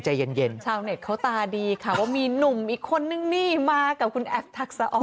ใจเย็นชาวเน็ตเขาตาดีค่ะว่ามีหนุ่มอีกคนนึงนี่มากับคุณแอฟทักษะออน